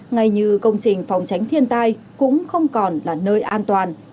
ngay như công trình phòng tránh thiên tai cũng không còn là nơi an toàn